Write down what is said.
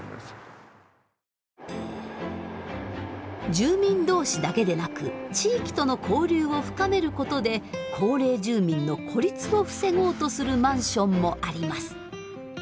住民同士だけでなく地域との交流を深めることで高齢住民の孤立を防ごうとするマンションもあります。